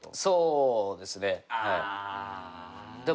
そうですねはい。